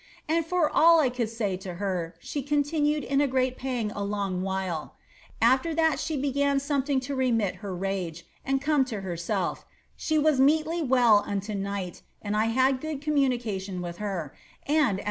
"And for all I could say to her. she continued in a great pang a long while. After that she began something to remit her rage, and come to herself: she wai metely well until night, and I had good communication with her, and, as 1 * State Papers.